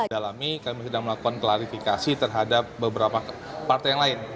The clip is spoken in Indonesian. dalami kami sedang melakukan klarifikasi terhadap beberapa partai yang lain